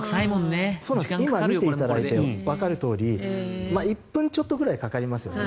今見ていただいてわかるとおり１分ちょっとかかりますよね。